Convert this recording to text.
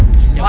satu aja pak